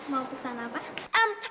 maaf mau pesan apa